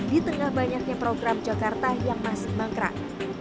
di tengah banyaknya program jakarta yang masih mangkrak